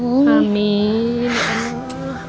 kamu pinter sekali sih sayang